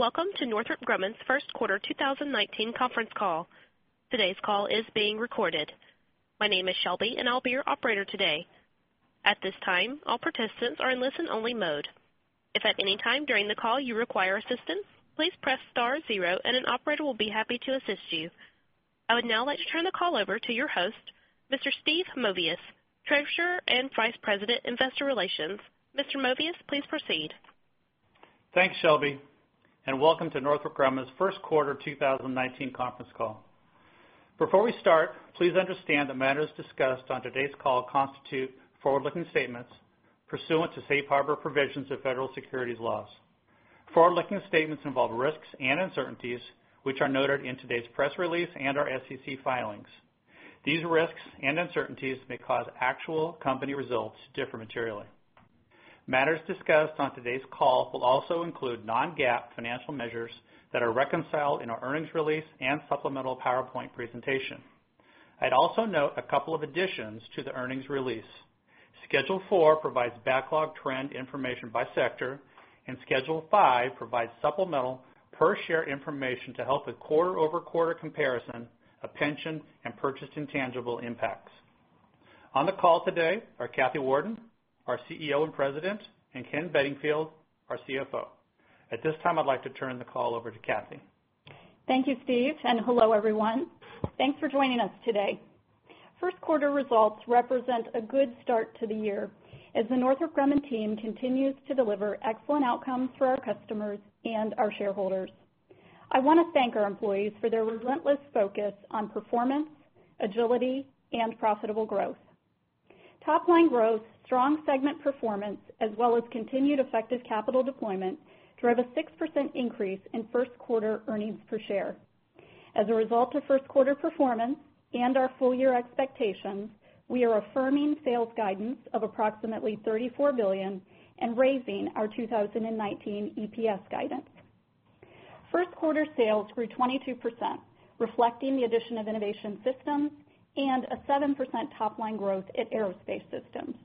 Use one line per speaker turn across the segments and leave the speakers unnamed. Welcome to Northrop Grumman's first quarter 2019 conference call. Today's call is being recorded. My name is Shelby, and I'll be your operator today. At this time, all participants are in listen-only mode. If at any time during the call you require assistance, please press star zero and an operator will be happy to assist you. I would now like to turn the call over to your host, Mr. Steve Movius, Treasurer and Vice President, Investor Relations. Mr. Movius, please proceed.
Thanks, Shelby, welcome to Northrop Grumman's first quarter 2019 conference call. Before we start, please understand that matters discussed on today's call constitute forward-looking statements pursuant to Safe Harbor provisions of federal securities laws. Forward-looking statements involve risks and uncertainties, which are noted in today's press release and our SEC filings. These risks and uncertainties may cause actual company results to differ materially. Matters discussed on today's call will also include non-GAAP financial measures that are reconciled in our earnings release and supplemental PowerPoint presentation. I'd also note a couple of additions to the earnings release. Schedule four provides backlog trend information by sector, and schedule five provides supplemental per share information to help with quarter-over-quarter comparison of pension and purchased intangible impacts. On the call today are Kathy Warden, our CEO and President, and Ken Bedingfield, our CFO. At this time, I'd like to turn the call over to Kathy.
Thank you, Steve, hello, everyone. Thanks for joining us today. First quarter results represent a good start to the year as the Northrop Grumman team continues to deliver excellent outcomes for our customers and our shareholders. I want to thank our employees for their relentless focus on performance, agility, and profitable growth. Top-line growth, strong segment performance, as well as continued effective capital deployment drive a 6% increase in first quarter earnings per share. As a result of first quarter performance and our full-year expectations, we are affirming sales guidance of approximately $34 billion and raising our 2019 EPS guidance. First quarter sales grew 22%, reflecting the addition of Innovation Systems and a 7% top-line growth at Aerospace Systems.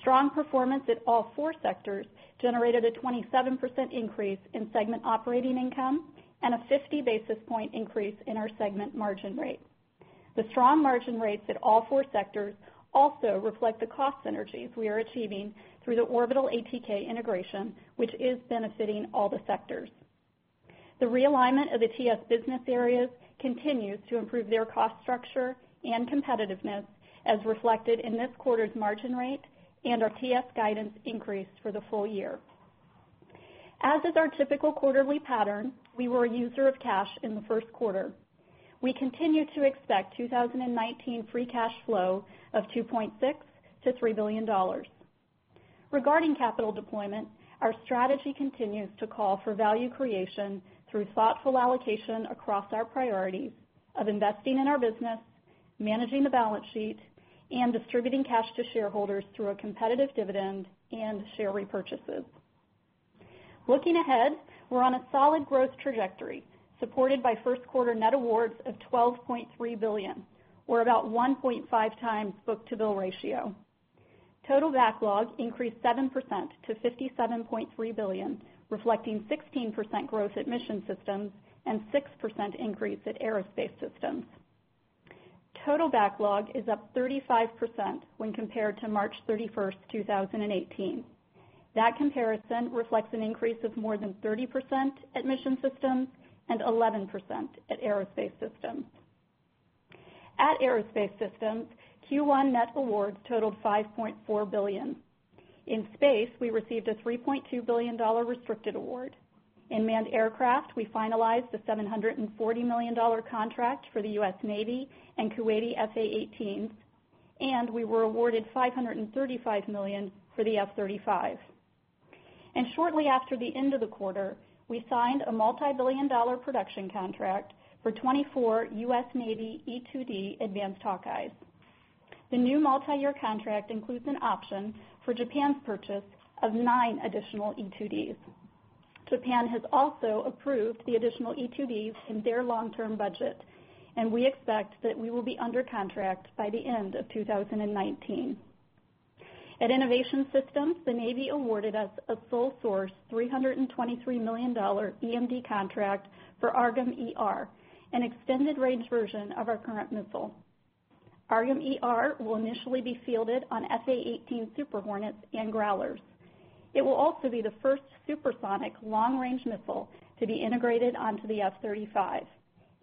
Strong performance at all four sectors generated a 27% increase in segment operating income and a 50 basis point increase in our segment margin rate. The strong margin rates at all four sectors also reflect the cost synergies we are achieving through the Orbital ATK integration, which is benefiting all the sectors. The realignment of the TS business areas continues to improve their cost structure and competitiveness as reflected in this quarter's margin rate and our TS guidance increase for the full year. As is our typical quarterly pattern, we were a user of cash in the first quarter. We continue to expect 2019 free cash flow of $2.6 billion-$3 billion. Regarding capital deployment, our strategy continues to call for value creation through thoughtful allocation across our priorities of investing in our business, managing the balance sheet, and distributing cash to shareholders through a competitive dividend and share repurchases. Looking ahead, we're on a solid growth trajectory, supported by first quarter net awards of $12.3 billion, or about 1.5 times book-to-bill ratio. Total backlogs increased 7% to $57.3 billion, reflecting 16% growth at Mission Systems and 6% increase at Aerospace Systems. Total backlog is up 35% when compared to March 31st, 2018. That comparison reflects an increase of more than 30% at Mission Systems and 11% at Aerospace Systems. At Aerospace Systems, Q1 net awards totaled $5.4 billion. In space, we received a $3.2 billion restricted award. In manned aircraft, we finalized the $740 million contract for the U.S. Navy and Kuwaiti F/A-18s. We were awarded $535 million for the F-35. Shortly after the end of the quarter, we signed a multi-billion dollar production contract for 24 U.S. Navy E-2D Advanced Hawkeyes. The new multi-year contract includes an option for Japan's purchase of nine additional E-2Ds. Japan has also approved the additional E-2Ds in their long-term budget. We expect that we will be under contract by the end of 2019. At Innovation Systems, the Navy awarded us a sole source $323 million EMD contract for AARGM-ER, an extended-range version of our current missile. AARGM-ER will initially be fielded on F/A-18 Super Hornets and Growlers. It will also be the first supersonic long-range missile to be integrated onto the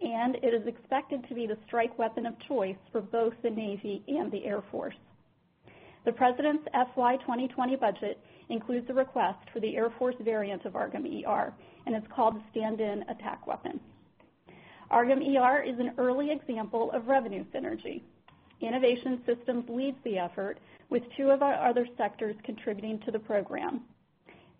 F-35. It is expected to be the strike weapon of choice for both the Navy and the Air Force. The president's FY 2020 budget includes a request for the Air Force variant of AARGM-ER. It's called Stand-in Attack Weapon. AARGM-ER is an early example of revenue synergy. Innovation Systems leads the effort with two of our other sectors contributing to the program.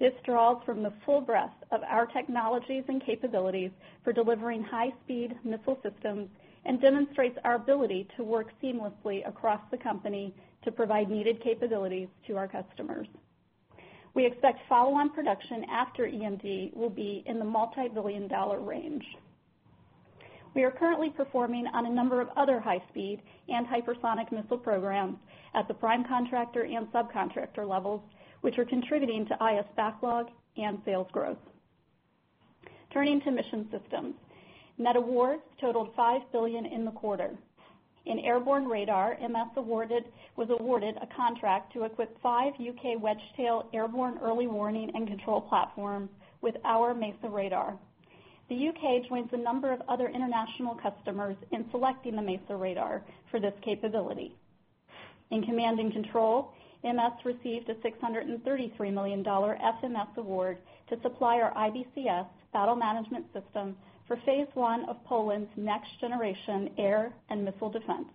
This draws from the full breadth of our technologies and capabilities for delivering high-speed missile systems and demonstrates our ability to work seamlessly across the company to provide needed capabilities to our customers. We expect follow-on production after EMD will be in the multi-billion dollar range. We are currently performing on a number of other high-speed and hypersonic missile programs at the prime contractor and subcontractor levels, which are contributing to IS backlog and sales growth. Turning to Mission Systems. Net awards totaled $5 billion in the quarter. In airborne radar, MS was awarded a contract to equip five U.K. Wedgetail airborne early warning and control platform with our MESA radar. The U.K. joins a number of other international customers in selecting the MESA radar for this capability. In command and control, MS received a $633 million FMS award to supply our IBCS battle management system for phase 1 of Poland's next generation air and missile defense.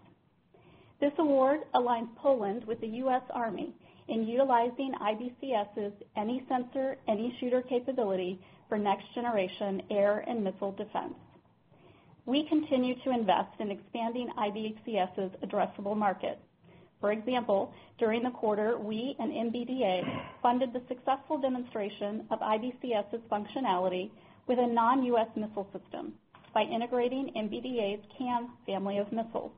This award aligns Poland with the U.S. Army in utilizing IBCS' any sensor, any shooter capability for next generation air and missile defense. We continue to invest in expanding IBCS' addressable market. For example, during the quarter, we and MBDA funded the successful demonstration of IBCS' functionality with a non-U.S. missile system by integrating MBDA's CAMM family of missiles.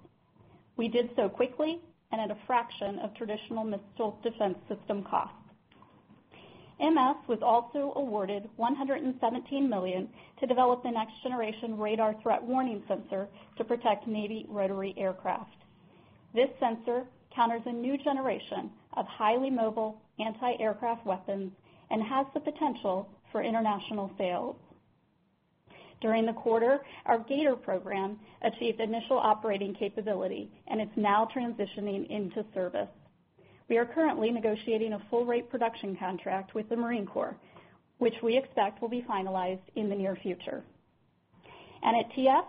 We did so quickly and at a fraction of traditional missile defense system costs. MS was also awarded $117 million to develop the next generation radar threat warning sensor to protect Navy rotary aircraft. This sensor counters a new generation of highly mobile anti-aircraft weapons and has the potential for international sales. During the quarter, our G/ATOR program achieved initial operating capability and is now transitioning into service. We are currently negotiating a full rate production contract with the Marine Corps, which we expect will be finalized in the near future. At TS,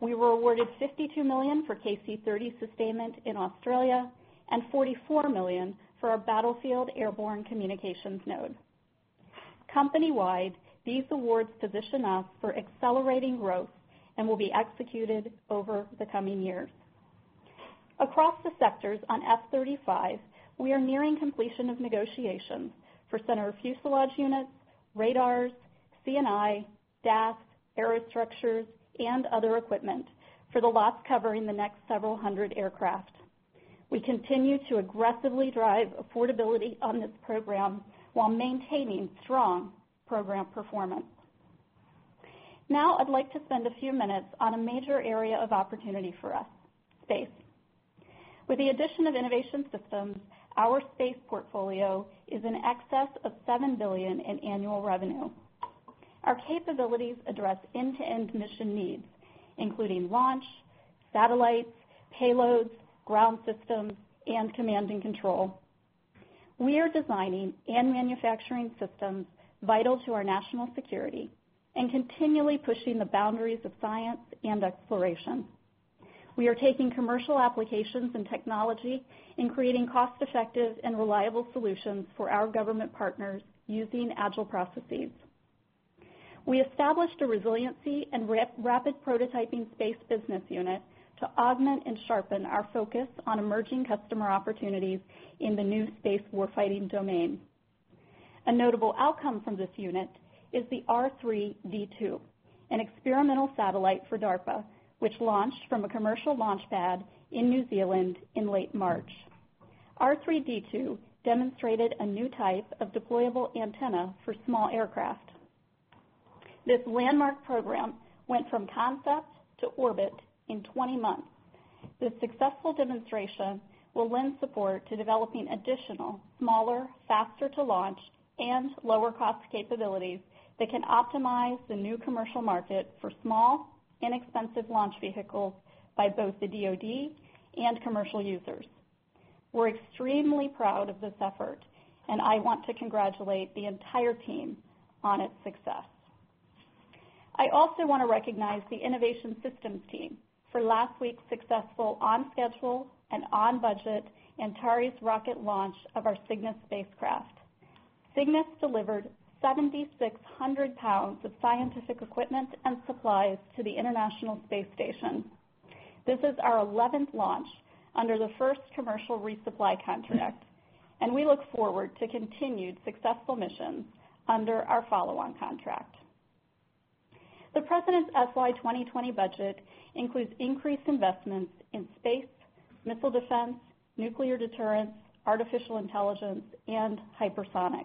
we were awarded $52 million for KC-30 sustainment in Australia and $44 million for our Battlefield Airborne Communications Node. Company-wide, these awards position us for accelerating growth and will be executed over the coming years. Across the sectors on F-35, we are nearing completion of negotiations for center fuselage units, radars, CNI, DAS, aerostructures, and other equipment for the lots covering the next several hundred aircraft. We continue to aggressively drive affordability on this program while maintaining strong program performance. I'd like to spend a few minutes on a major area of opportunity for us, space. With the addition of Innovation Systems, our space portfolio is in excess of $7 billion in annual revenue. Our capabilities address end-to-end mission needs, including launch, satellites, payloads, ground systems, and command and control. We are designing and manufacturing systems vital to our national security and continually pushing the boundaries of science and exploration. We are taking commercial applications and technology and creating cost-effective and reliable solutions for our government partners using agile processes. We established a resiliency and rapid prototyping space business unit to augment and sharpen our focus on emerging customer opportunities in the new space war fighting domain. A notable outcome from this unit is the R3D2, an experimental satellite for DARPA, which launched from a commercial launchpad in New Zealand in late March. R3D2 demonstrated a new type of deployable antenna for small spacecraft. This landmark program went from concept to orbit in 20 months. This successful demonstration will lend support to developing additional smaller, faster to launch, and lower cost capabilities that can optimize the new commercial market for small, inexpensive launch vehicles by both the DoD and commercial users. We're extremely proud of this effort, and I want to congratulate the entire team on its success. I also want to recognize the Innovation Systems team for last week's successful on schedule and on budget Antares rocket launch of our Cygnus spacecraft. Cygnus delivered 7,600 pounds of scientific equipment and supplies to the International Space Station. This is our 11th launch under the first commercial resupply contract, and we look forward to continued successful missions under our follow-on contract. The President's FY 2020 budget includes increased investments in space, missile defense, nuclear deterrence, artificial intelligence, and hypersonics.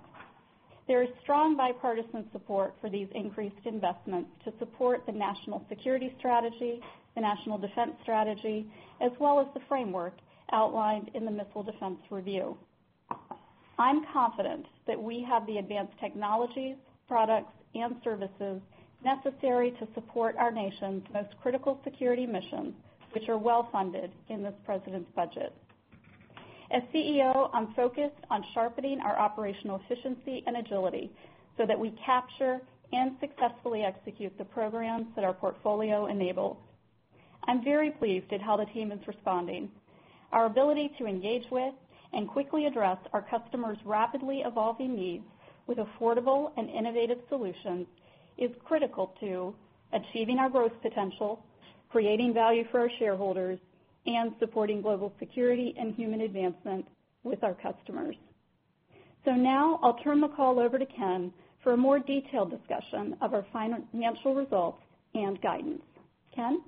There is strong bipartisan support for these increased investments to support the National Security Strategy, the National Defense Strategy, as well as the framework outlined in the Missile Defense Review. I'm confident that we have the advanced technologies, products, and services necessary to support our nation's most critical security missions, which are well funded in this president's budget. As CEO, I'm focused on sharpening our operational efficiency and agility so that we capture and successfully execute the programs that our portfolio enables. I'm very pleased at how the team is responding. Our ability to engage with and quickly address our customers' rapidly evolving needs with affordable and innovative solutions is critical to achieving our growth potential, creating value for our shareholders, and supporting global security and human advancement with our customers. Now I'll turn the call over to Ken for a more detailed discussion of our financial results and guidance. Ken?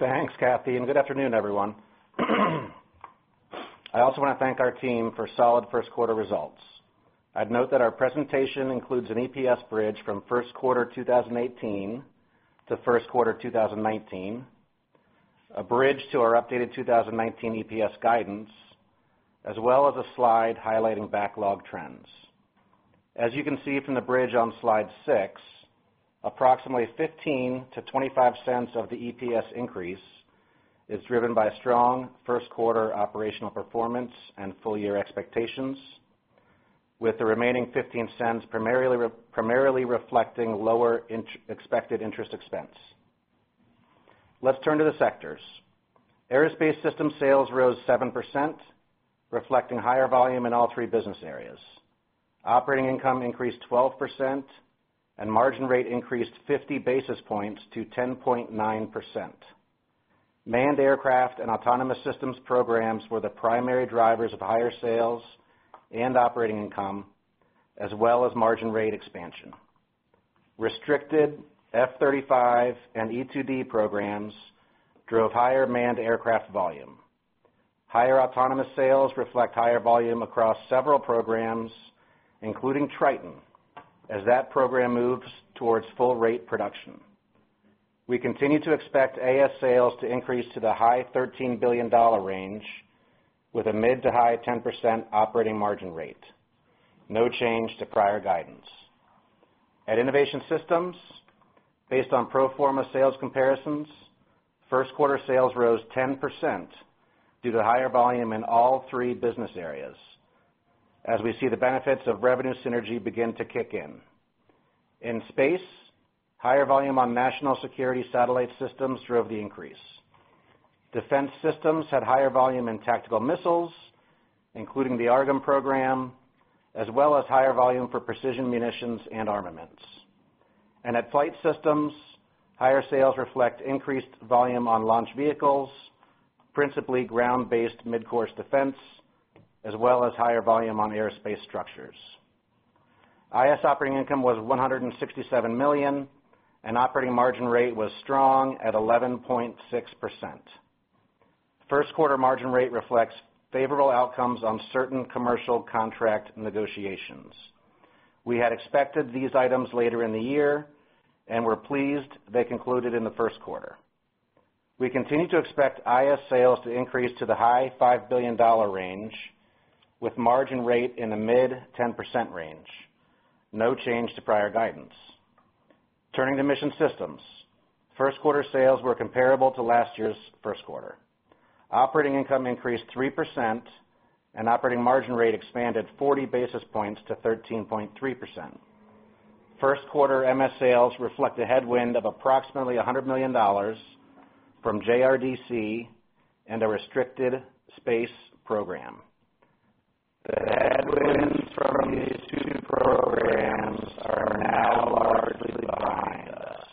Thanks, Kathy, and good afternoon, everyone. I also want to thank our team for solid first quarter results. I'd note that our presentation includes an EPS bridge from first quarter 2018 to first quarter 2019, a bridge to our updated 2019 EPS guidance, as well as a slide highlighting backlog trends. As you can see from the bridge on slide six, approximately $0.15-$0.25 of the EPS increase is driven by strong first quarter operational performance and full year expectations, with the remaining $0.15 primarily reflecting lower expected interest expense. Let's turn to the sectors. Aerospace Systems sales rose 7%, reflecting higher volume in all three business areas. Operating income increased 12%, and margin rate increased 50 basis points to 10.9%. Manned aircraft and autonomous systems programs were the primary drivers of higher sales and operating income, as well as margin rate expansion. Restricted F-35 and E-2D programs drove higher manned aircraft volume. Higher autonomous sales reflect higher volume across several programs, including Triton, as that program moves towards full rate production. We continue to expect AS sales to increase to the high $13 billion range with a mid to high 10% operating margin rate. No change to prior guidance. At Innovation Systems, based on pro forma sales comparisons, first quarter sales rose 10% due to higher volume in all three business areas, as we see the benefits of revenue synergy begin to kick in. In space, higher volume on national security satellite systems drove the increase. Defense systems had higher volume in tactical missiles, including the AARGM program, as well as higher volume for precision munitions and armaments. At Flight Systems, higher sales reflect increased volume on launch vehicles, principally Ground-Based Midcourse Defense, as well as higher volume on aerospace structures. IS operating income was $167 million, and operating margin rate was strong at 11.6%. First quarter margin rate reflects favorable outcomes on certain commercial contract negotiations. We had expected these items later in the year and we're pleased they concluded in the first quarter. We continue to expect IS sales to increase to the high $5 billion range with margin rate in the mid 10% range. No change to prior guidance. Turning to Mission Systems. First quarter sales were comparable to last year's first quarter. Operating income increased 3%, and operating margin rate expanded 40 basis points to 13.3%. First quarter MS sales reflect a headwind of approximately $100 million from JRDC and a restricted space program. The headwinds from these two programs are now largely behind us.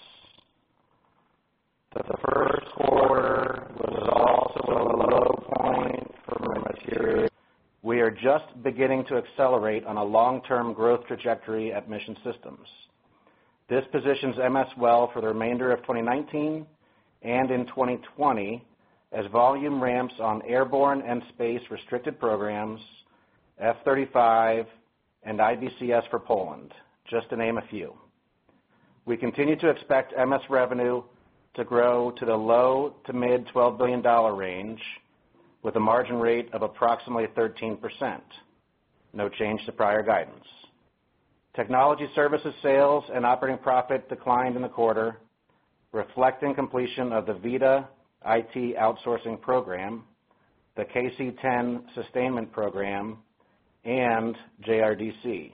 The first quarter was also a low point for materials. We are just beginning to accelerate on a long-term growth trajectory at Mission Systems. This positions MS well for the remainder of 2019 and in 2020 as volume ramps on airborne and space restricted programs, F-35 and IBCS for Poland, just to name a few. We continue to expect MS revenue to grow to the low to mid $12 billion range with a margin rate of approximately 13%. No change to prior guidance. Technology Services sales and operating profit declined in the quarter, reflecting completion of the VITA IT outsourcing program, the KC-10 sustainment program, and JRDC.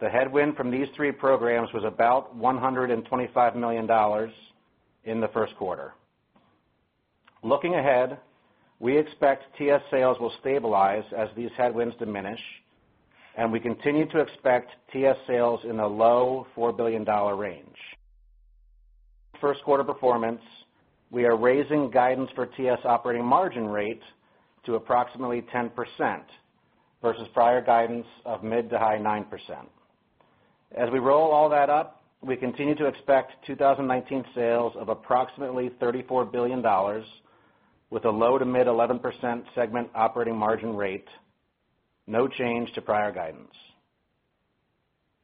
The headwind from these three programs was about $125 million in the first quarter. Looking ahead, we expect TS sales will stabilize as these headwinds diminish, and we continue to expect TS sales in the low $4 billion range. First quarter performance, we are raising guidance for TS operating margin rate to approximately 10%, versus prior guidance of mid to high 9%. As we roll all that up, we continue to expect 2019 sales of approximately $34 billion with a low to mid 11% segment operating margin rate. No change to prior guidance.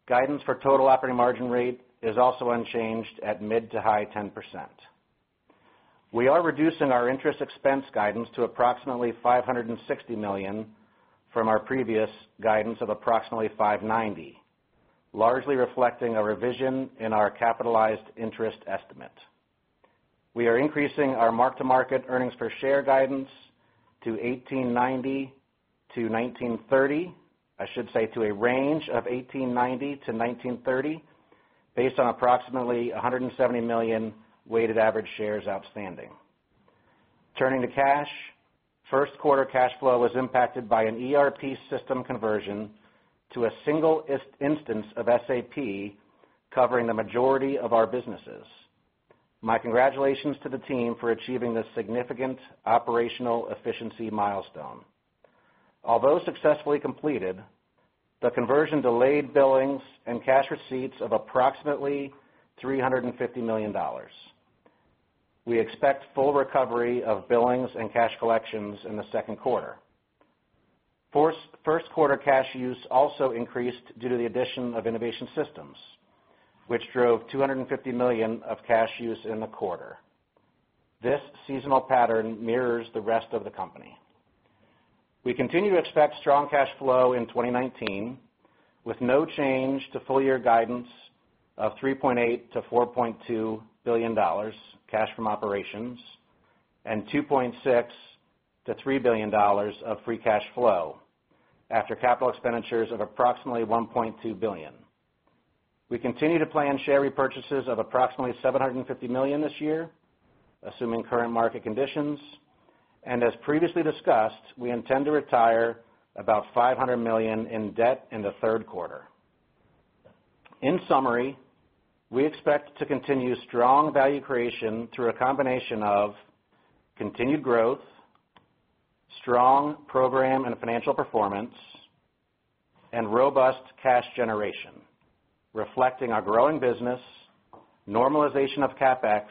Guidance for total operating margin rate is also unchanged at mid to high 10%. We are reducing our interest expense guidance to approximately $560 million from our previous guidance of approximately $590 million, largely reflecting a revision in our capitalized interest estimate. We are increasing our mark-to-market earnings per share guidance to $18.90 to $19.30. I should say to a range of $18.90 to $19.30, based on approximately $170 million weighted average shares outstanding. Turning to cash. First quarter cash flow was impacted by an ERP system conversion to a single instance of SAP covering the majority of our businesses. My congratulations to the team for achieving this significant operational efficiency milestone. Although successfully completed, the conversion delayed billings and cash receipts of approximately $350 million. We expect full recovery of billings and cash collections in the second quarter. First quarter cash use also increased due to the addition of Innovation Systems, which drove $250 million of cash use in the quarter. This seasonal pattern mirrors the rest of the company. We continue to expect strong cash flow in 2019, with no change to full-year guidance of $3.8 billion to $4.2 billion cash from operations and $2.6 billion to $3 billion of free cash flow after capital expenditures of approximately $1.2 billion. We continue to plan share repurchases of approximately $750 million this year, assuming current market conditions, and as previously discussed, we intend to retire about $500 million in debt in the third quarter. In summary, we expect to continue strong value creation through a combination of continued growth, strong program and financial performance, and robust cash generation, reflecting our growing business, normalization of CapEx,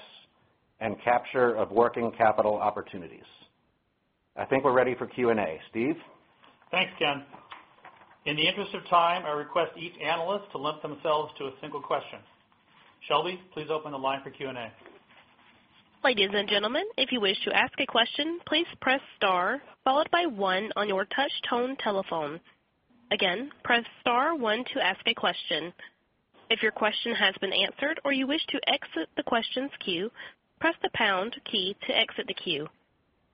and capture of working capital opportunities. I think we're ready for Q&A. Steve?
Thanks, Ken. In the interest of time, I request each analyst to limit themselves to a single question. Shelby, please open the line for Q&A.
Ladies and gentlemen, if you wish to ask a question, please press star followed by one on your touch tone telephone. Again, press star one to ask a question. If your question has been answered or you wish to exit the questions queue, press the pound key to exit the queue.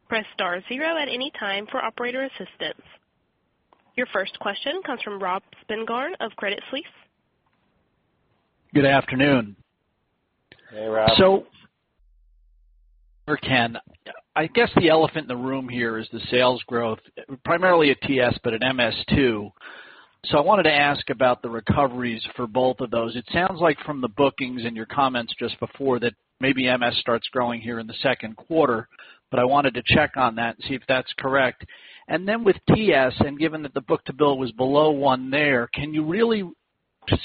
Press star zero at any time for operator assistance. Your first question comes from Robert Spingarn of Credit Suisse.
Good afternoon.
Hey, Rob.
Ken, I guess the elephant in the room here is the sales growth, primarily at TS, but at MS too. I wanted to ask about the recoveries for both of those. It sounds like from the bookings and your comments just before that maybe MS starts growing here in the second quarter, I wanted to check on that and see if that's correct. With TS, given that the book-to-bill was below one there, can you really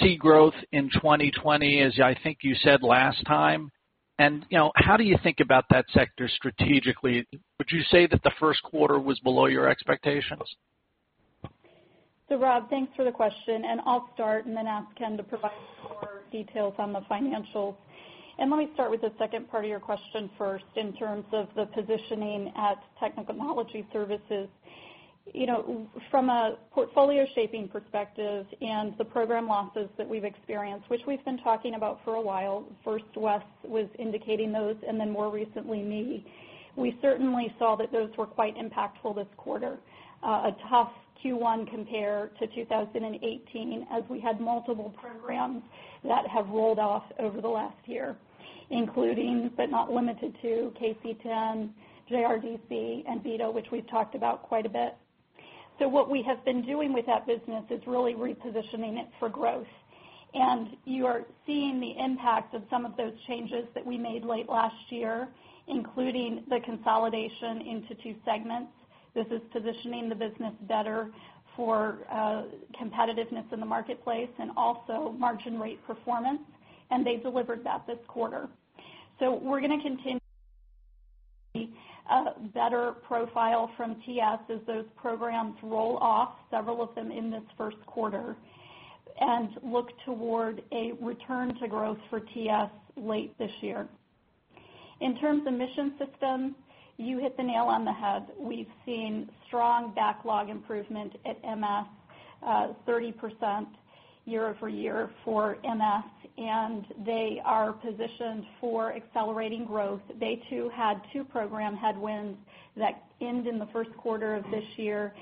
see growth in 2020 as I think you said last time? How do you think about that sector strategically? Would you say that the first quarter was below your expectations?
Rob, thanks for the question. I'll start and ask Ken to provide more details on the financials. Let me start with the second part of your question first in terms of the positioning at Technology Services. From a portfolio shaping perspective and the program losses that we've experienced, which we've been talking about for a while, first Wes was indicating those, more recently me. We certainly saw that those were quite impactful this quarter. A tough Q1 compare to 2018 as we had multiple programs that have rolled off over the last year, including, but not limited to KC-10, JRDC, and VITA, which we've talked about quite a bit. What we have been doing with that business is really repositioning it for growth. You are seeing the impact of some of those changes that we made late last year, including the consolidation into two segments. This is positioning the business better for competitiveness in the marketplace and also margin rate performance, they delivered that this quarter. We're going to continue a better profile from TS as those programs roll off, several of them in this first quarter, look toward a return to growth for TS late this year. In terms of Mission Systems, you hit the nail on the head. We've seen strong backlog improvement at MS, 30% year-over-year for MS, they are positioned for accelerating growth. They too had two program headwinds that end in the first quarter of this year,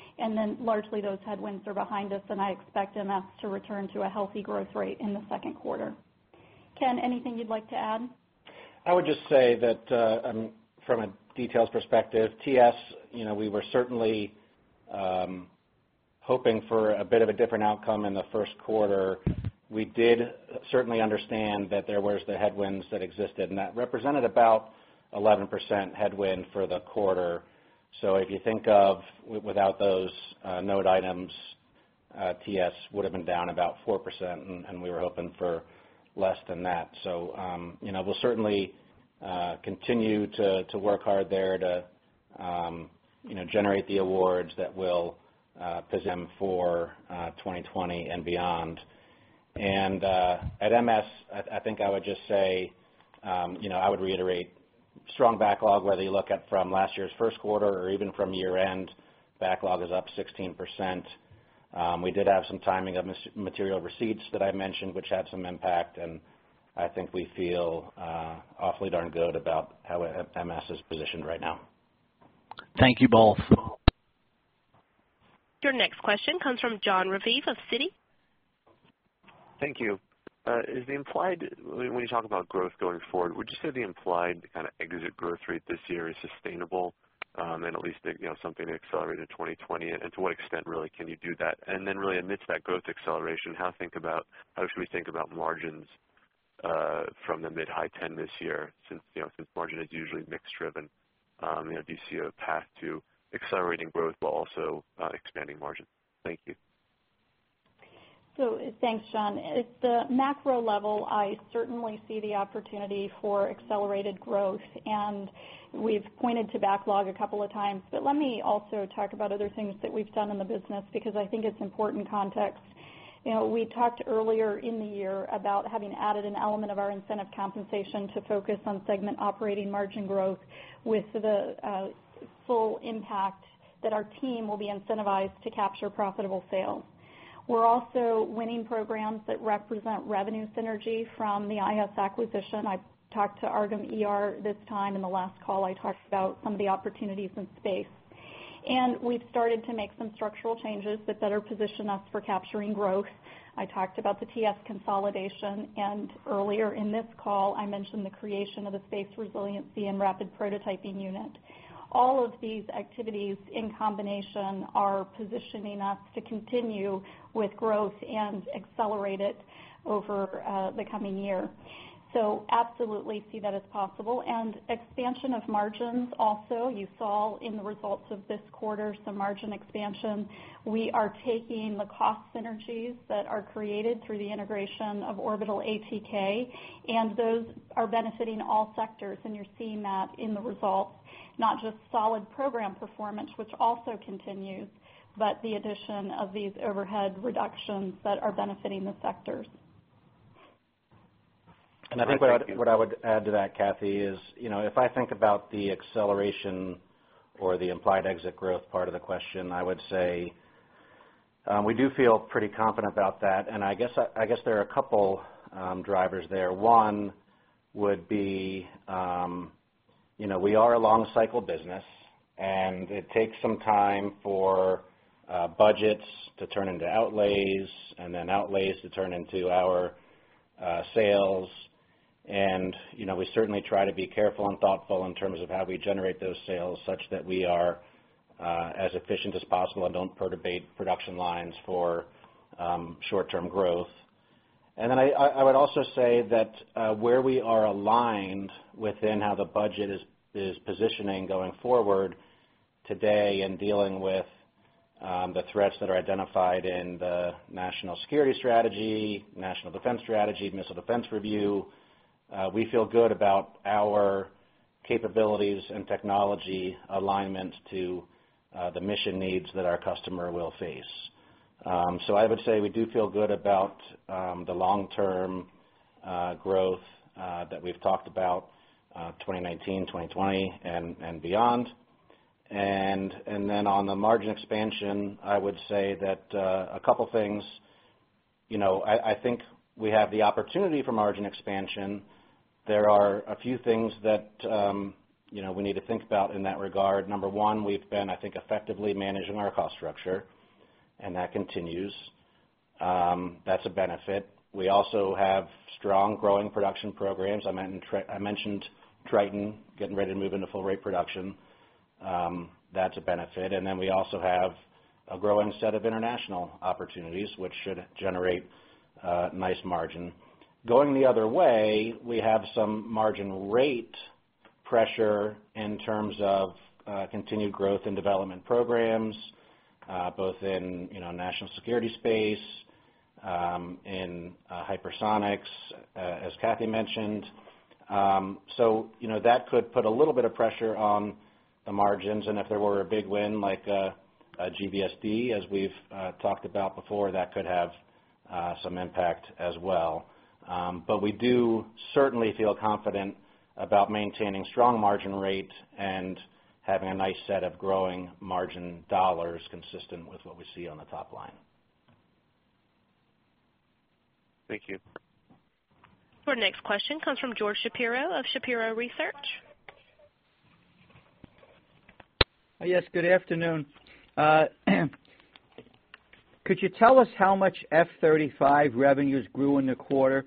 largely those headwinds are behind us, I expect MS to return to a healthy growth rate in the second quarter. Ken, anything you'd like to add?
I would just say that from a details perspective, TS, we were certainly hoping for a bit of a different outcome in the first quarter. We did certainly understand that there was the headwinds that existed, and that represented about 11% headwind for the quarter. So if you think of, without those note items, TS would've been down about 4%, and we were hoping for less than that. We'll certainly continue to work hard there to generate the awards that will position for 2020 and beyond. At MS, I think I would just say, I would reiterate strong backlog, whether you look at from last year's first quarter or even from year-end, backlog is up 16%. We did have some timing of material receipts that I mentioned, which had some impact, and I think we feel awfully darn good about how MS is positioned right now.
Thank you both.
Your next question comes from Jon Raviv of Citi.
Thank you. When you talk about growth going forward, would you say the implied kind of exit growth rate this year is sustainable and at least something to accelerate in 2020? To what extent, really, can you do that? Really amidst that growth acceleration, how should we think about margins? From the mid high 10 this year since margin is usually mix driven. Do you see a path to accelerating growth while also expanding margin? Thank you.
thanks, Jon. At the macro level, I certainly see the opportunity for accelerated growth, and we've pointed to backlog a couple of times, but let me also talk about other things that we've done in the business, because I think it's important context. We talked earlier in the year about having added an element of our incentive compensation to focus on segment operating margin growth with the full impact that our team will be incentivized to capture profitable sales. We're also winning programs that represent revenue synergy from the IS acquisition. I talked to AARGM-ER this time, in the last call I talked about some of the opportunities in space. We've started to make some structural changes that better position us for capturing growth. I talked about the TS consolidation, and earlier in this call, I mentioned the creation of the space resiliency and rapid prototyping unit. All of these activities in combination are positioning us to continue with growth and accelerate it over the coming year. Absolutely see that as possible. Expansion of margins also, you saw in the results of this quarter some margin expansion. We are taking the cost synergies that are created through the integration of Orbital ATK, and those are benefiting all sectors. You're seeing that in the results, not just solid program performance, which also continues, but the addition of these overhead reductions that are benefiting the sectors.
I think what I would add to that, Kathy, is if I think about the acceleration or the implied exit growth part of the question, I would say we do feel pretty confident about that. I guess there are a couple drivers there. One would be we are a long cycle business and it takes some time for budgets to turn into outlays and then outlays to turn into our sales. We certainly try to be careful and thoughtful in terms of how we generate those sales such that we are as efficient as possible and don't perturbate production lines for short-term growth. I would also say that where we are aligned within how the budget is positioning going forward today in dealing with the threats that are identified in the National Security Strategy, National Defense Strategy, Missile Defense Review, we feel good about our capabilities and technology alignment to the mission needs that our customer will face. I would say we do feel good about the long-term growth that we've talked about 2019, 2020 and beyond. On the margin expansion, I would say that a couple things. I think we have the opportunity for margin expansion. There are a few things that we need to think about in that regard. Number one, we've been, I think, effectively managing our cost structure, and that continues. That's a benefit. We also have strong growing production programs. I mentioned Triton getting ready to move into full rate production. That's a benefit. We also have a growing set of international opportunities, which should generate nice margin. Going the other way, we have some margin rate pressure in terms of continued growth in development programs both in national security space, in hypersonics, as Kathy mentioned. That could put a little bit of pressure on the margins. If there were a big win like GBSD, as we've talked about before, that could have some impact as well. We do certainly feel confident about maintaining strong margin rate and having a nice set of growing margin dollars consistent with what we see on the top line.
Thank you.
Your next question comes from George Shapiro of Shapiro Research.
Yes, good afternoon. Could you tell us how much F-35 revenues grew in the quarter?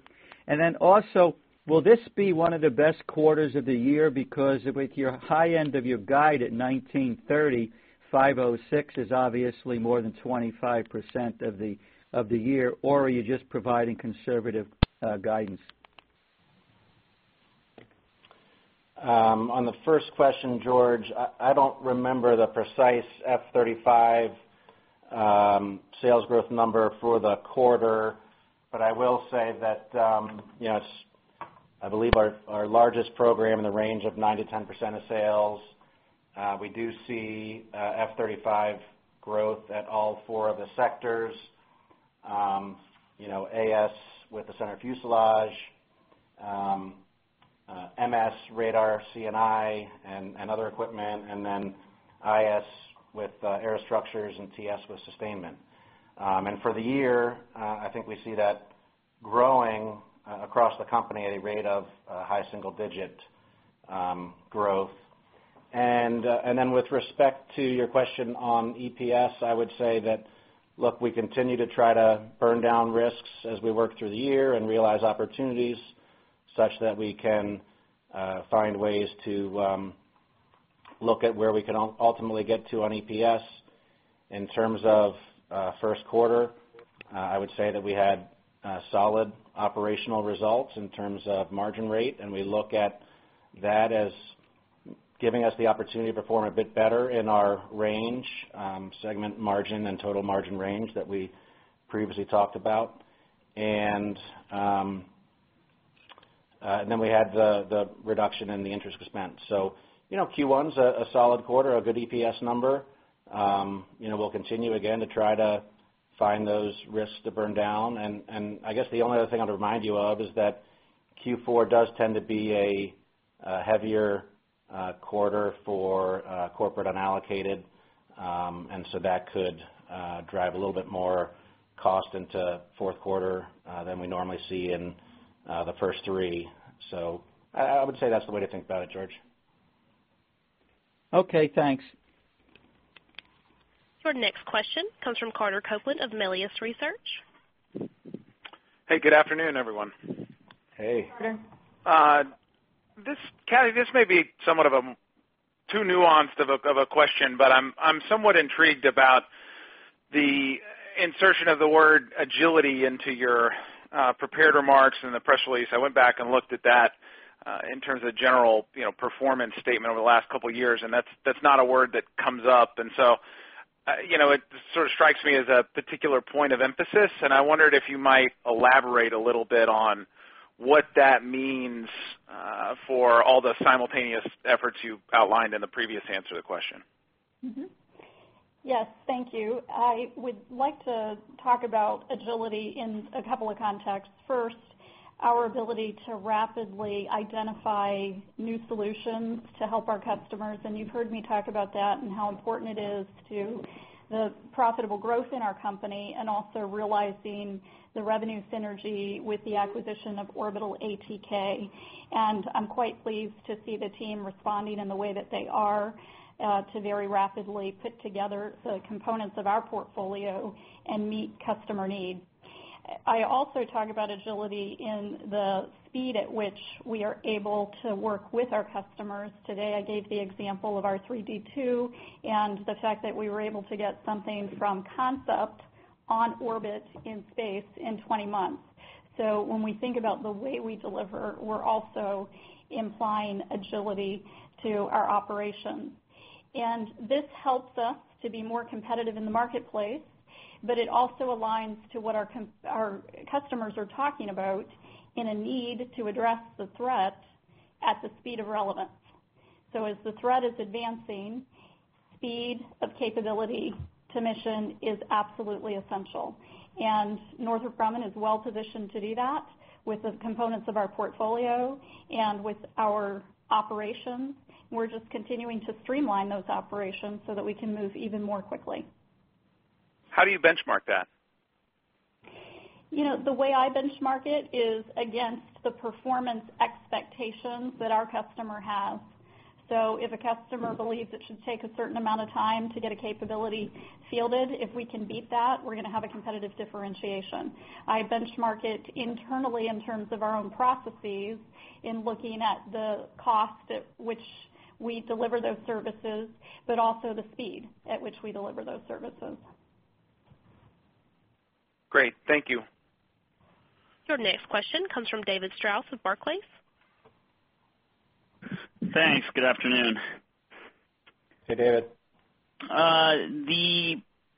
Also, will this be one of the best quarters of the year? Because with your high end of your guide at $1,930, $506 is obviously more than 25% of the year. Are you just providing conservative guidance?
On the first question, George, I don't remember the precise F-35 sales growth number for the quarter. I will say that it's, I believe our largest program in the range of 9%-10% of sales. We do see F-35 growth at all four of the sectors. AS with the center of fuselage, MS radar, CNI and other equipment, and then IS with aerostructures and TS with sustainment. For the year, I think we see that growing across the company at a rate of high single digit growth. With respect to your question on EPS, I would say that, look, we continue to try to burn down risks as we work through the year and realize opportunities such that we can find ways to look at where we can ultimately get to on EPS. In terms of first quarter, I would say that we had solid operational results in terms of margin rate, and we look at that as giving us the opportunity to perform a bit better in our range, segment margin and total margin range that we previously talked about. We had the reduction in the interest expense. Q1's a solid quarter, a good EPS number. We'll continue again to try to find those risks to burn down. I guess the only other thing I'll remind you of is that Q4 does tend to be a heavier quarter for corporate unallocated. That could drive a little bit more cost into fourth quarter than we normally see in the first three. I would say that's the way to think about it, George.
Okay, thanks.
Your next question comes from Carter Copeland of Melius Research.
Hey, good afternoon, everyone.
Hey.
Good afternoon.
Kathy, this may be somewhat of a too nuanced of a question, but I'm somewhat intrigued about the insertion of the word agility into your prepared remarks in the press release. I went back and looked at that in terms of general performance statement over the last couple of years, and that's not a word that comes up. It sort of strikes me as a particular point of emphasis, and I wondered if you might elaborate a little bit on what that means for all the simultaneous efforts you outlined in the previous answer to the question.
Yes. Thank you. I would like to talk about agility in a couple of contexts. First, our ability to rapidly identify new solutions to help our customers, and you've heard me talk about that and how important it is to the profitable growth in our company and also realizing the revenue synergy with the acquisition of Orbital ATK. I'm quite pleased to see the team responding in the way that they are, to very rapidly put together the components of our portfolio and meet customer needs. I also talk about agility in the speed at which we are able to work with our customers. Today, I gave the example of our R3D2 and the fact that we were able to get something from concept on orbit in space in 20 months. When we think about the way we deliver, we're also implying agility to our operations. This helps us to be more competitive in the marketplace, it also aligns to what our customers are talking about in a need to address the threat at the speed of relevance. As the threat is advancing, speed of capability to mission is absolutely essential. Northrop Grumman is well-positioned to do that with the components of our portfolio and with our operations. We're just continuing to streamline those operations so that we can move even more quickly.
How do you benchmark that?
The way I benchmark it is against the performance expectations that our customer has. If a customer believes it should take a certain amount of time to get a capability fielded, if we can beat that, we're going to have a competitive differentiation. I benchmark it internally in terms of our own processes in looking at the cost at which we deliver those services, also the speed at which we deliver those services.
Great. Thank you.
Your next question comes from David Strauss with Barclays.
Thanks. Good afternoon.
Hey, David.
The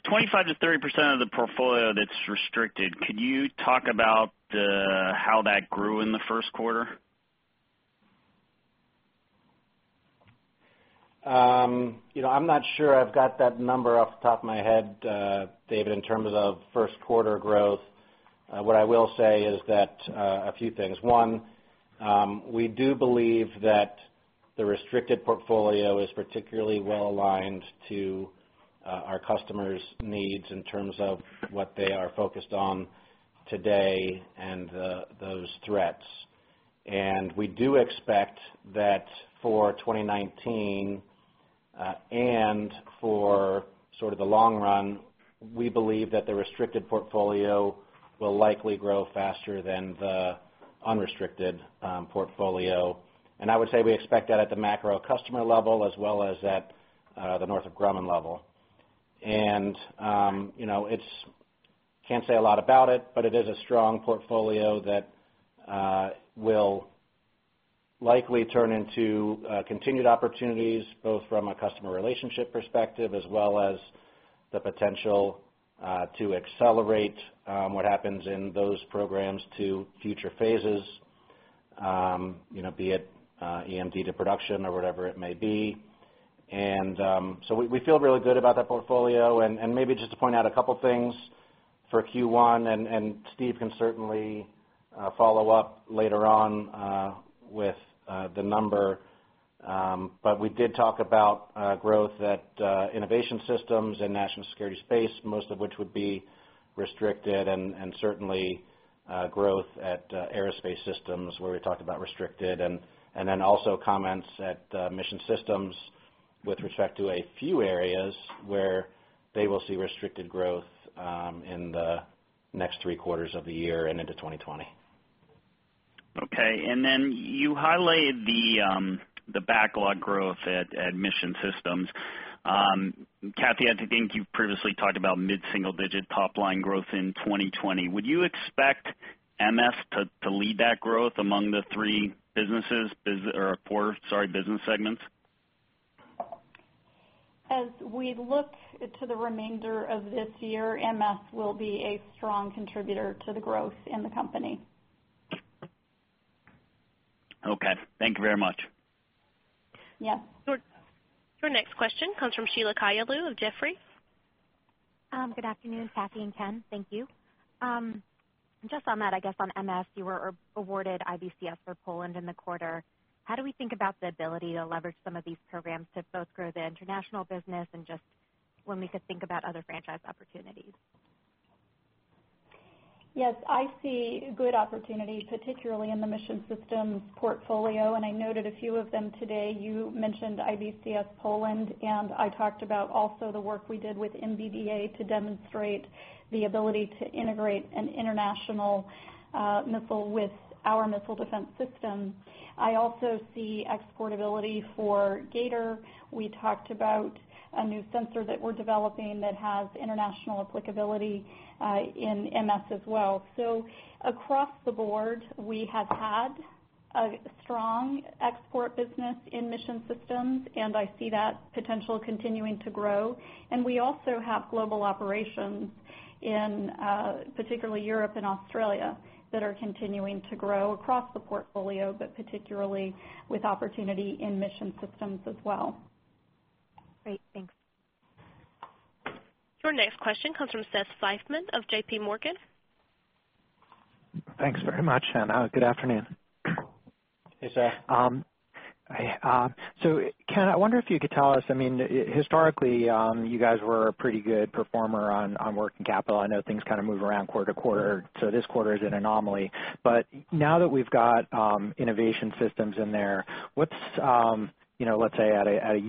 25%-30% of the portfolio that's restricted, could you talk about how that grew in the first quarter?
I'm not sure I've got that number off the top of my head, David, in terms of first quarter growth. What I will say is that, a few things. One, we do believe that the restricted portfolio is particularly well-aligned to our customers' needs in terms of what they are focused on today and those threats. We do expect that for 2019, and for sort of the long run, we believe that the restricted portfolio will likely grow faster than the unrestricted portfolio. I would say we expect that at the macro customer level as well as at the Northrop Grumman level. Can't say a lot about it, but it is a strong portfolio that will likely turn into continued opportunities, both from a customer relationship perspective as well as the potential to accelerate what happens in those programs to future phases, be it EMD to production or whatever it may be. We feel really good about that portfolio. Maybe just to point out a couple things for Q1, Steve can certainly follow up later on with the number. We did talk about growth at Innovation Systems and National Security Space, most of which would be restricted, and certainly growth at Aerospace Systems, where we talked about restricted. Also comments at Mission Systems with respect to a few areas where they will see restricted growth in the next three quarters of the year and into 2020.
Okay. You highlighted the backlog growth at Mission Systems. Kathy, I think you previously talked about mid-single-digit top-line growth in 2020. Would you expect MS to lead that growth among the three business segments?
As we look to the remainder of this year, MS will be a strong contributor to the growth in the company.
Okay. Thank you very much.
Yes.
Your next question comes from Sheila Kahyaoglu of Jefferies.
Good afternoon, Kathy and Ken. Thank you. Just on that, I guess on MS, you were awarded IBCS for Poland in the quarter. How do we think about the ability to leverage some of these programs to both grow the international business and just when we could think about other franchise opportunities?
Yes, I see good opportunity, particularly in the Mission Systems portfolio. I noted a few of them today. You mentioned IBCS Poland. I talked about also the work we did with MBDA to demonstrate the ability to integrate an international missile with our missile defense system. I also see exportability for G/ATOR. We talked about a new sensor that we're developing that has international applicability, in MS as well. Across the board, we have had a strong export business in Mission Systems. I see that potential continuing to grow. We also have global operations in, particularly Europe and Australia, that are continuing to grow across the portfolio, but particularly with opportunity in Mission Systems as well.
Great. Thanks.
Your next question comes from Seth Seifman of J.P. Morgan.
Thanks very much, good afternoon.
Hey, Seth.
Ken, I wonder if you could tell us, historically, you guys were a pretty good performer on working capital. I know things kind of move around quarter-to-quarter, so this quarter is an anomaly. Now that we've got Innovation Systems in there, let's say at a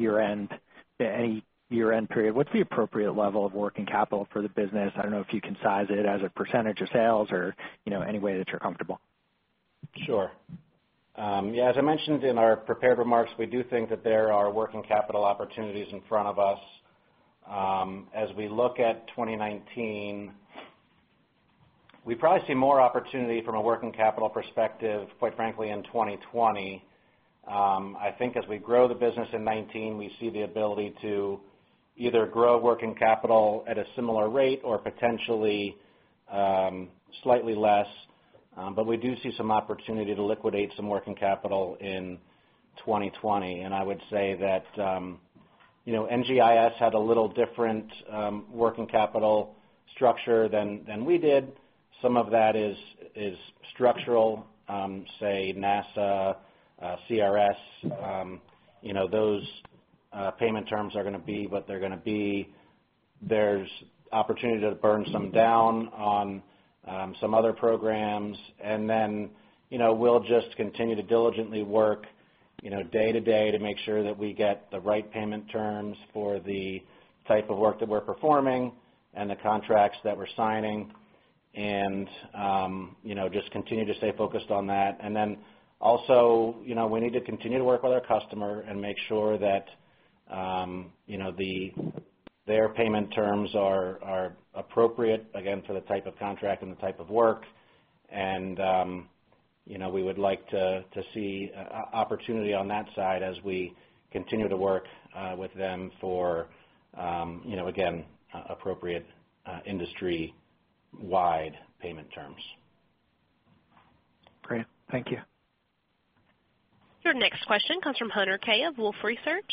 year-end period, what's the appropriate level of working capital for the business? I don't know if you can size it as a percentage of sales or any way that you're comfortable.
Sure. As I mentioned in our prepared remarks, we do think that there are working capital opportunities in front of us. As we look at 2019, we probably see more opportunity from a working capital perspective, quite frankly, in 2020. I think as we grow the business in 2019, we see the ability to either grow working capital at a similar rate or potentially slightly less. We do see some opportunity to liquidate some working capital in 2020. I would say that NGIS had a little different working capital structure than we did. Some of that is structural, say NASA, CRS, those payment terms are going to be what they're going to be. There's opportunity to burn some down on some other programs. We'll just continue to diligently work day-to-day to make sure that we get the right payment terms for the type of work that we're performing and the contracts that we're signing, and just continue to stay focused on that. Also, we need to continue to work with our customer and make sure that their payment terms are appropriate, again, for the type of contract and the type of work. We would like to see opportunity on that side as we continue to work with them for, again, appropriate industry-wide payment terms.
Great. Thank you.
Your next question comes from Hunter Keay of Wolfe Research.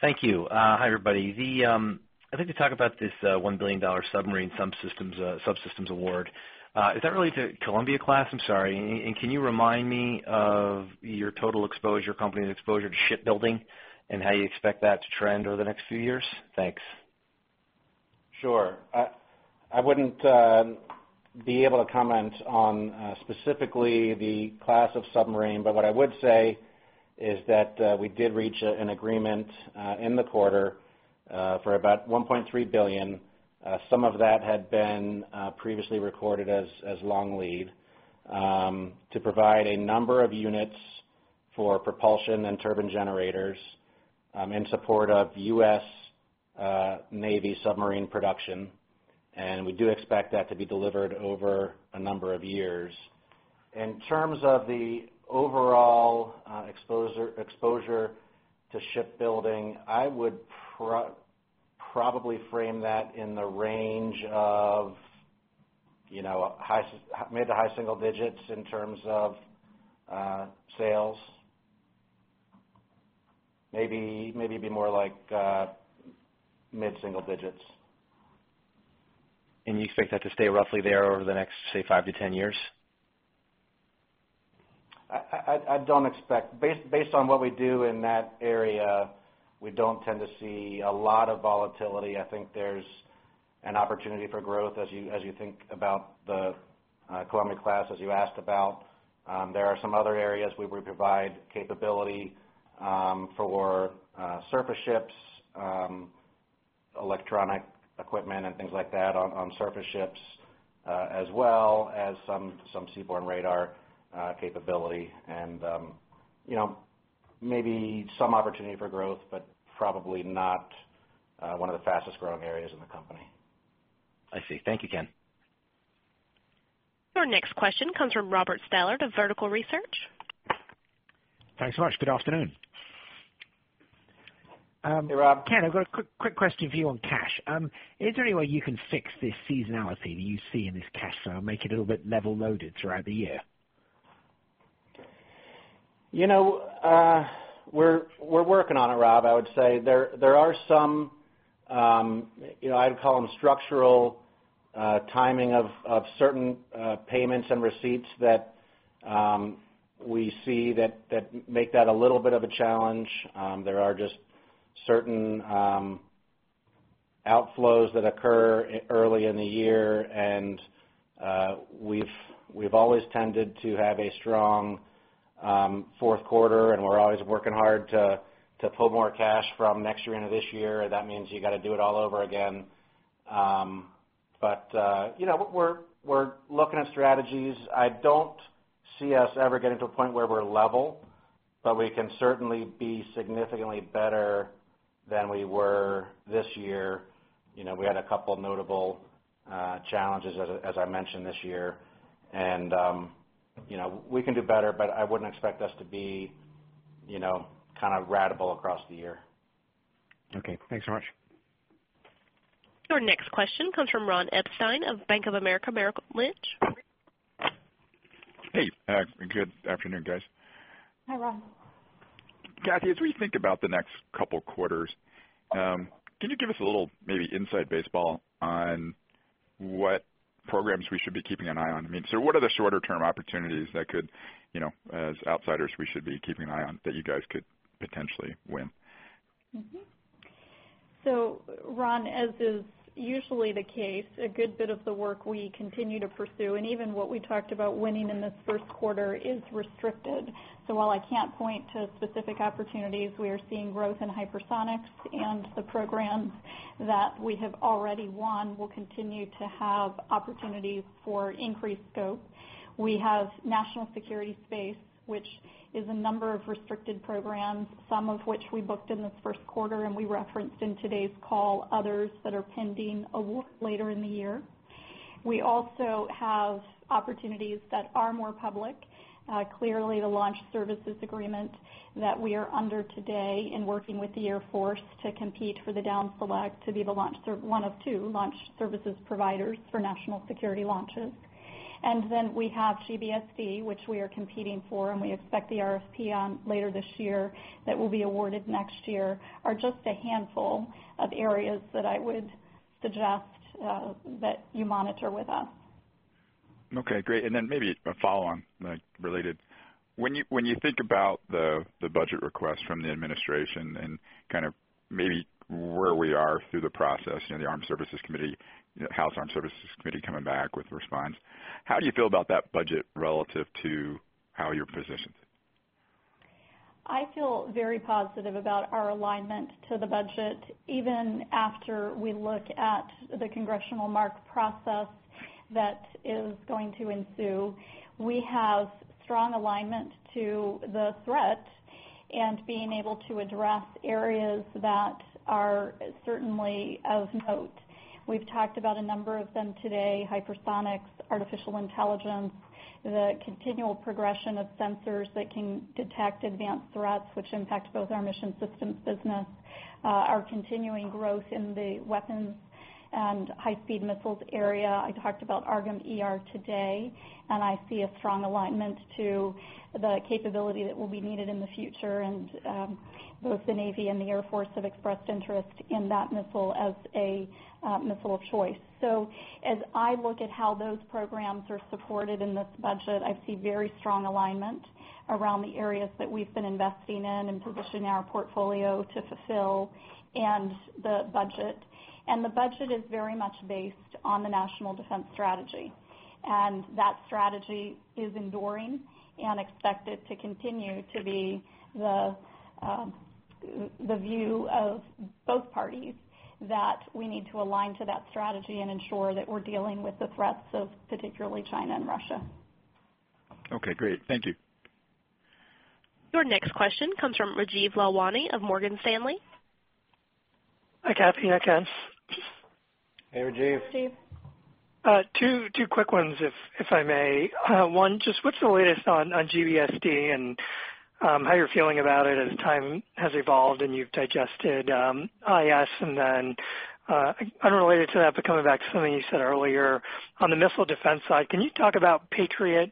Thank you. Hi, everybody. I'd like to talk about this $1 billion submarine subsystems award. Is that related to Columbia class? I'm sorry. Can you remind me of your total company exposure to shipbuilding and how you expect that to trend over the next few years? Thanks.
Sure. I wouldn't be able to comment on specifically the class of submarine, what I would say is that we did reach an agreement in the quarter for about $1.3 billion. Some of that had been previously recorded as long lead to provide a number of units for propulsion and turbine generators in support of U.S. Navy submarine production. We do expect that to be delivered over a number of years. In terms of the overall exposure to shipbuilding, I would probably frame that in the range of mid to high single digits in terms of sales. Maybe it'd be more like mid-single digits.
You expect that to stay roughly there over the next, say, five to 10 years?
Based on what we do in that area, we don't tend to see a lot of volatility. I think there's an opportunity for growth as you think about the Columbia class, as you asked about. There are some other areas we would provide capability for surface ships. Electronic equipment and things like that on surface ships, as well as some seaborne radar capability and maybe some opportunity for growth, but probably not one of the fastest-growing areas in the company.
I see. Thank you, Ken.
Your next question comes from Robert Stallard of Vertical Research.
Thanks so much. Good afternoon.
Hey, Rob.
Ken, I've got a quick question for you on cash. Is there any way you can fix this seasonality that you see in this cash flow, make it a little bit level loaded throughout the year?
We're working on it, Rob. I would say there are some, I'd call them structural timing of certain payments and receipts that we see that make that a little bit of a challenge. There are just certain outflows that occur early in the year, and we've always tended to have a strong fourth quarter, and we're always working hard to pull more cash from next year into this year. That means you got to do it all over again. We're looking at strategies. I don't see us ever getting to a point where we're level, but we can certainly be significantly better than we were this year. We had a couple notable challenges, as I mentioned this year. We can do better, but I wouldn't expect us to be ratable across the year.
Okay. Thanks so much.
Your next question comes from Ronald Epstein of Bank of America Merrill Lynch.
Hey. Good afternoon, guys.
Hi, Ron.
Kathy, as we think about the next couple quarters, can you give us a little maybe inside baseball on what programs we should be keeping an eye on? What are the shorter-term opportunities that could, as outsiders, we should be keeping an eye on that you guys could potentially win.
Ron, as is usually the case, a good bit of the work we continue to pursue and even what we talked about winning in this first quarter is restricted. While I can't point to specific opportunities, we are seeing growth in hypersonics and the programs that we have already won will continue to have opportunities for increased scope. We have national security space, which is a number of restricted programs, some of which we booked in this first quarter, and we referenced in today's call others that are pending award later in the year. We also have opportunities that are more public. Clearly, the launch services agreement that we are under today in working with the Air Force to compete for the down select to be one of two launch services providers for national security launches. We have GBSD, which we are competing for, and we expect the RFP on later this year that will be awarded next year, are just a handful of areas that I would suggest that you monitor with us.
Okay, great. Maybe a follow-on related. When you think about the budget request from the administration and kind of maybe where we are through the process, the House Armed Services Committee coming back with response, how do you feel about that budget relative to how you're positioned?
I feel very positive about our alignment to the budget, even after we look at the congressional mark process that is going to ensue. We have strong alignment to the threat and being able to address areas that are certainly of note. We've talked about a number of them today, hypersonics, artificial intelligence, the continual progression of sensors that can detect advanced threats, which impact both our Mission Systems business, our continuing growth in the weapons and high-speed missiles area. I talked about AARGM-ER today, and I see a strong alignment to the capability that will be needed in the future. Both the Navy and the Air Force have expressed interest in that missile as a missile of choice. As I look at how those programs are supported in this budget, I see very strong alignment around the areas that we've been investing in and positioning our portfolio to fulfill and the budget. The budget is very much based on the National Defense Strategy. That strategy is enduring and expected to continue to be the view of both parties that we need to align to that strategy and ensure that we're dealing with the threats of particularly China and Russia.
Okay, great. Thank you.
Your next question comes from Rajeev Lalwani of Morgan Stanley.
Hi, Kathy and Ken.
Hey, Rajeev.
Hi, Rajeev.
Two quick ones, if I may. One, just what's the latest on GBSD and how you're feeling about it as time has evolved and you've digested IS. Then, unrelated to that, but coming back to something you said earlier on the missile defense side, can you talk about Patriot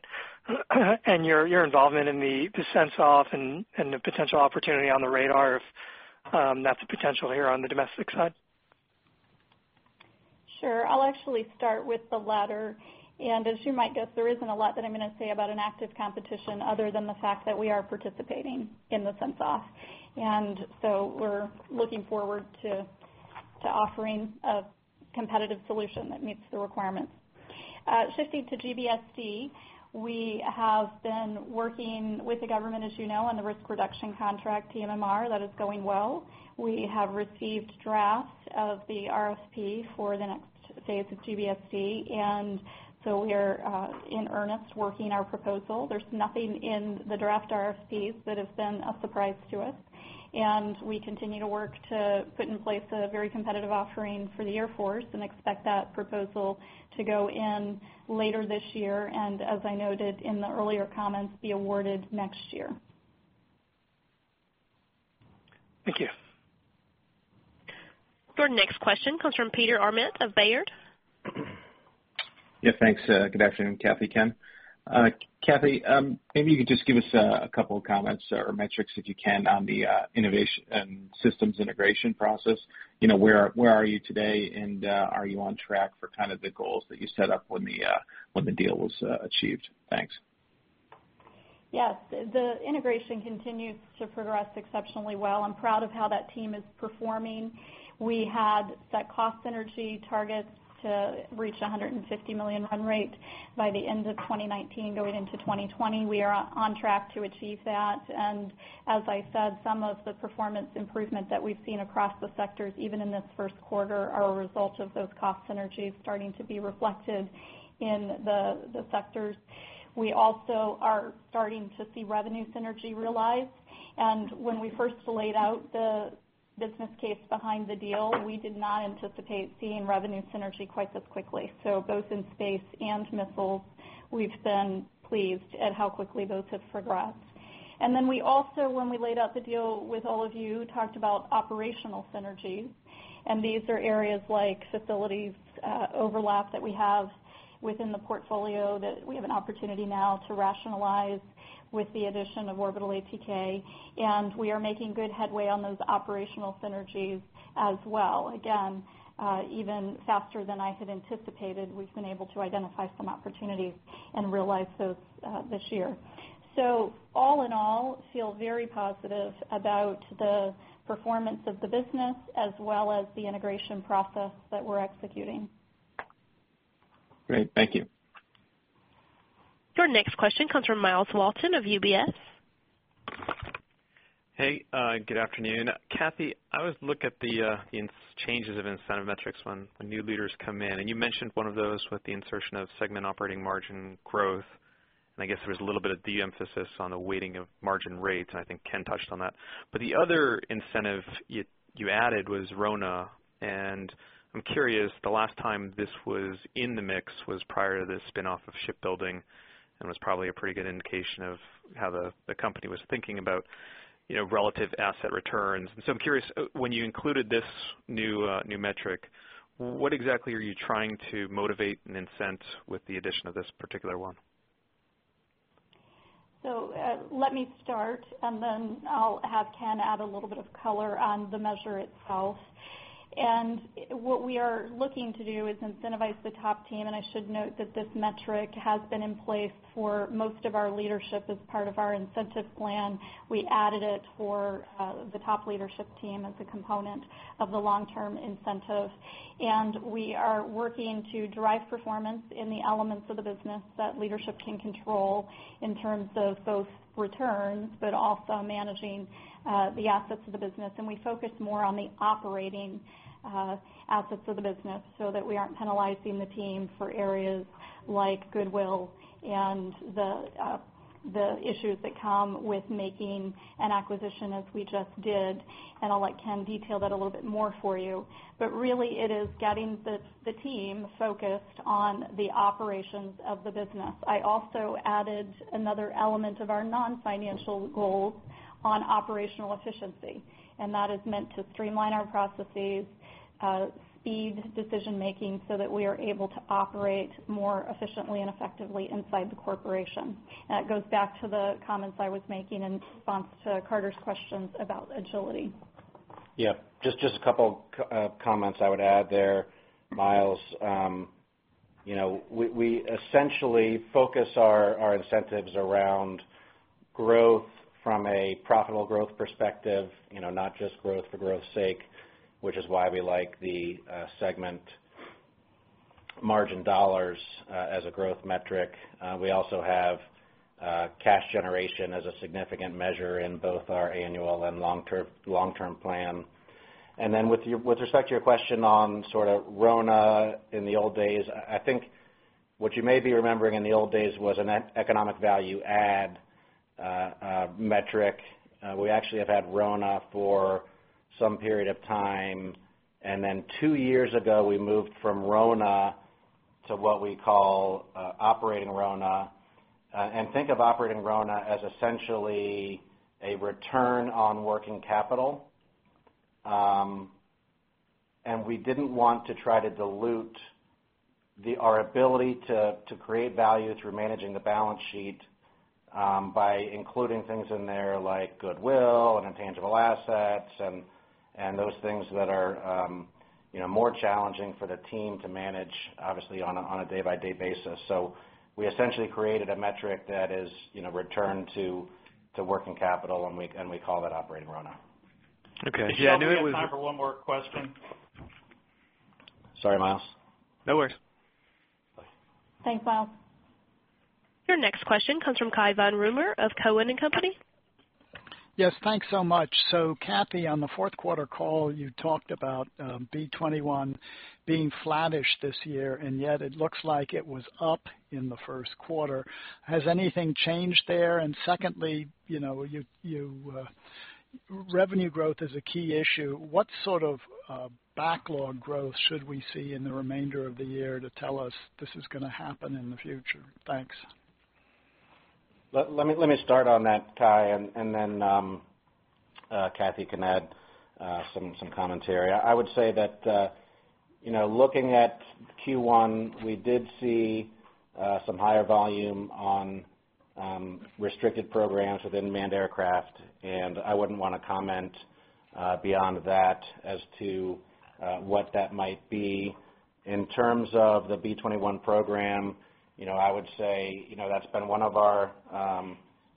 and your involvement in the Sense-Off and the potential opportunity on the radar if that's a potential area on the domestic side?
Sure. I'll actually start with the latter. As you might guess, there isn't a lot that I'm going to say about an active competition other than the fact that we are participating in the Sense-Off. So we're looking forward to offering a competitive solution that meets the requirements. Shifting to GBSD, we have been working with the government, as you know, on the risk reduction contract, TMRR. That is going well. We have received drafts of the RFP for the next phase of GBSD, so we are in earnest working our proposal. There's nothing in the draft RFPs that has been a surprise to us, and we continue to work to put in place a very competitive offering for the Air Force and expect that proposal to go in later this year, and as I noted in the earlier comments, be awarded next year.
Thank you.
Your next question comes from Peter Arment of Baird.
Yeah, thanks. Good afternoon, Kathy, Ken. Kathy, maybe you could just give us a couple of comments or metrics if you can, on the systems integration process. Where are you today, and are you on track for the goals that you set up when the deal was achieved? Thanks.
Yes. The integration continues to progress exceptionally well. I'm proud of how that team is performing. We had set cost synergy targets to reach 150 million run rate by the end of 2019, going into 2020. We are on track to achieve that. As I said, some of the performance improvement that we've seen across the sectors, even in this first quarter, are a result of those cost synergies starting to be reflected in the sectors. We also are starting to see revenue synergy realized. When we first laid out the business case behind the deal, we did not anticipate seeing revenue synergy quite this quickly. Both in space and missiles, we've been pleased at how quickly those have progressed. We also, when we laid out the deal with all of you, talked about operational synergy. These are areas like facilities overlap that we have within the portfolio, that we have an opportunity now to rationalize with the addition of Orbital ATK, we are making good headway on those operational synergies as well. Again, even faster than I had anticipated, we've been able to identify some opportunities and realize those this year. All in all, feel very positive about the performance of the business as well as the integration process that we're executing.
Great. Thank you.
Your next question comes from Myles Walton of UBS.
Hey, good afternoon. Kathy, I always look at the changes of incentive metrics when new leaders come in, you mentioned one of those with the insertion of segment operating margin growth. I guess there was a little bit of de-emphasis on the weighting of margin rates, and I think Ken touched on that. The other incentive you added was RONA. I'm curious, the last time this was in the mix was prior to the spin-off of shipbuilding and was probably a pretty good indication of how the company was thinking about relative asset returns. So I'm curious, when you included this new metric, what exactly are you trying to motivate and incent with the addition of this particular one?
Let me start, I'll have Ken add a little bit of color on the measure itself. What we are looking to do is incentivize the top team. I should note that this metric has been in place for most of our leadership as part of our incentives plan. We added it for the top leadership team as a component of the long-term incentive. We are working to derive performance in the elements of the business that leadership can control in terms of both returns, also managing the assets of the business. We focus more on the operating assets of the business so that we aren't penalizing the team for areas like goodwill the issues that come with making an acquisition as we just did. I'll let Ken detail that a little bit more for you. Really it is getting the team focused on the operations of the business. I also added another element of our non-financial goals on operational efficiency, that is meant to streamline our processes, speed decision-making so that we are able to operate more efficiently and effectively inside the corporation. That goes back to the comments I was making in response to Carter's questions about agility.
Yeah. Just a couple of comments I would add there, Myles. We essentially focus our incentives around growth from a profitable growth perspective, not just growth for growth's sake, which is why we like the segment margin dollars as a growth metric. We also have cash generation as a significant measure in both our annual and long-term plan. With respect to your question on sort of RONA in the old days, I think what you may be remembering in the old days was an economic value add metric. We actually have had RONA for some period of time, then 2 years ago, we moved from RONA to what we call operating RONA. Think of operating RONA as essentially a return on working capital. We didn't want to try to dilute our ability to create value through managing the balance sheet by including things in there like goodwill intangible assets those things that are more challenging for the team to manage, obviously on a day-by-day basis. We essentially created a metric that is return to working capital, we call that operating RONA. Okay. Yeah, I know it was-
I think we only have time for one more question.
Sorry, Myles.
No worries.
Bye.
Thanks, Myles.
Your next question comes from Cai von Rumohr of Cowen and Company.
Yes, thanks so much. Kathy, on the fourth quarter call, you talked about B-21 being flattish this year, yet it looks like it was up in the first quarter. Has anything changed there? Secondly, revenue growth is a key issue. What sort of backlog growth should we see in the remainder of the year to tell us this is going to happen in the future? Thanks.
Let me start on that, Cai, then Kathy can add some commentary. I would say that, looking at Q1, we did see some higher volume on restricted programs within manned aircraft, and I wouldn't want to comment beyond that as to what that might be. In terms of the B-21 program, I would say, that's been one of our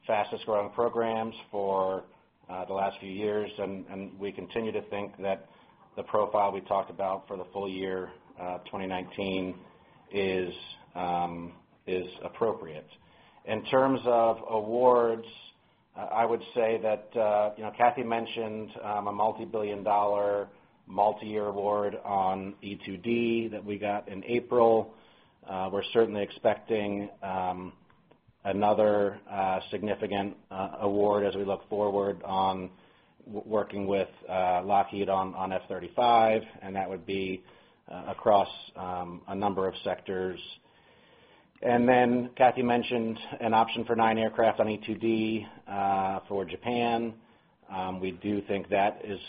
fastest growing programs for the last few years, and we continue to think that the profile we talked about for the full year 2019 is appropriate. In terms of awards, I would say that, Kathy mentioned a $multi-billion, multi-year award on E-2D that we got in April. We're certainly expecting another significant award as we look forward on working with Lockheed on F-35, and that would be across a number of sectors. Kathy mentioned an option for nine aircraft on E-2D for Japan. We do think that is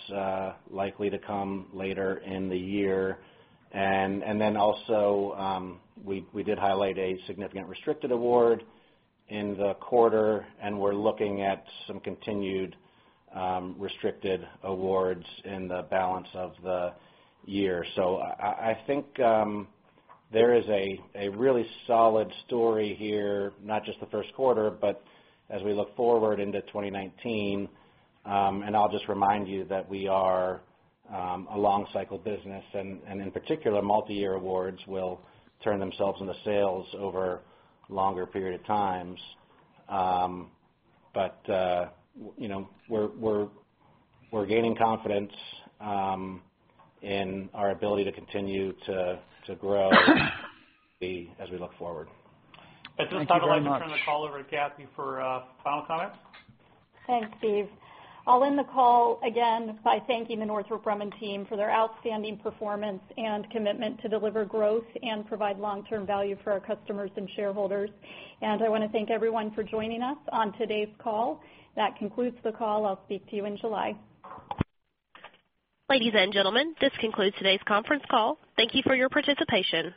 likely to come later in the year. Also, we did highlight a significant restricted award in the quarter, and we're looking at some continued restricted awards in the balance of the year. I think there is a really solid story here, not just the first quarter, but as we look forward into 2019. I'll just remind you that we are a long cycle business and, in particular, multi-year awards will turn themselves into sales over longer period of times. We're gaining confidence in our ability to continue to grow as we look forward.
Thank you very much.
At this time, I'd like to turn the call over to Kathy for final comments.
Thanks, Steve. I'll end the call again by thanking the Northrop Grumman team for their outstanding performance and commitment to deliver growth and provide long-term value for our customers and shareholders. I want to thank everyone for joining us on today's call. That concludes the call. I'll speak to you in July.
Ladies and gentlemen, this concludes today's conference call. Thank you for your participation.